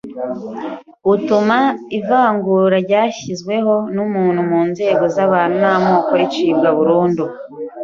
utuma ivangura ryashyizweho n’umuntu mu nzego z’abantu n’amoko ricibwa burundu.